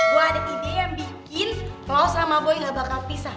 gue ada ide yang bikin klaus sama boy gak bakal pisah